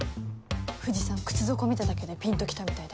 藤さん靴底見ただけでピンと来たみたいです。